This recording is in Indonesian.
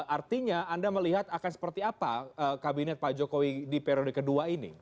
artinya anda melihat akan seperti apa kabinet pak jokowi di periode kedua ini